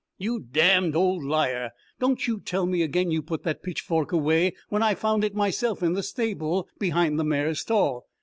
"You damned old liar don't you tell me again you put that pitchfork away when I found it myself in the stable behind the mare's stall.